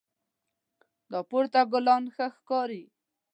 دا پورته ګلان ښه ښکاري